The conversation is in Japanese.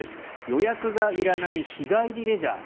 予約がいらない日帰りレジャー